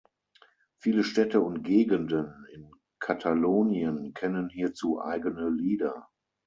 Viele Städte und Gegenden in Katalonien kennen hierzu eigene Lieder.